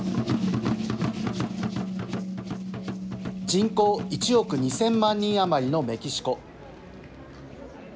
人口１億２０００万人余りのメキシコ。